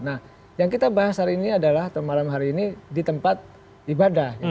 nah yang kita bahas hari ini adalah atau malam hari ini di tempat ibadah